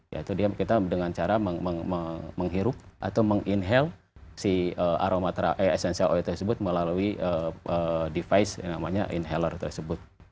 yaitu dia kita dengan cara menghirup atau menginhal si aroma essential oil tersebut melalui device yang namanya inhaler tersebut